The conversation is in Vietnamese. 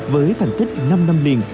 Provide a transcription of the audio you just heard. với thành tích năm năm liền